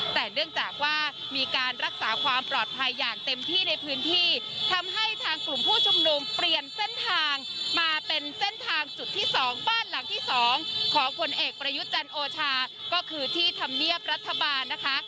แต่เนื่องจากว่ามีการรักษาความปลอดภัยอย่างเต็มที่ในพื้นที่ทำให้ทางกลุ่มผู้ชุมนุมเปลี่ยนเส้นทางมาเป็นเส้นทางจุดที่สองบ้านหลังที่สองของผลเอกประยุทธ์จันทร์โอชาก็คือที่ธรรมเนียบรัฐบาลนะคะ